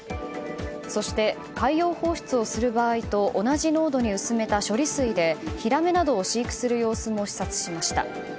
そして海洋放出をする場合と同じ濃度に薄めた処理水でヒラメなどを飼育する様子も視察しました。